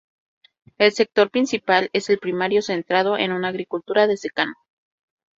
El sector principal es el primario, centrado en una agricultura de secano.